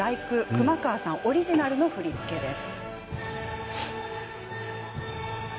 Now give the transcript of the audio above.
熊川さん、オリジナルの振り付けです。